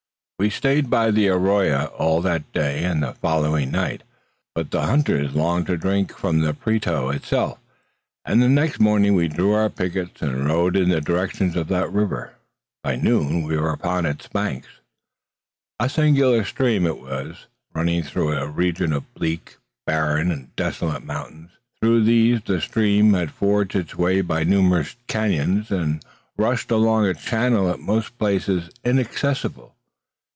We stayed by the arroyo all that day and the following night. But the hunters longed to drink from the Prieto itself; and the next morning we drew our pickets, and rode in the direction of that river. By noon we were upon its banks. A singular stream it was, running through a region of bleak, barren, and desolate mountains. Through these the stream had forged its way by numerous canons, and rushed along a channel at most places inaccessible.